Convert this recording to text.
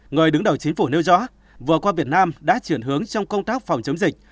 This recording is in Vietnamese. người đứng đầu chính phủ nêu rõ vừa qua việt nam đã chuyển hướng trong công tác phòng chống dịch